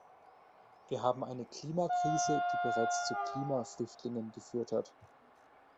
Wir haben eine Klimakrise, die bereits zu Klimaflüchtlingen geführt hat.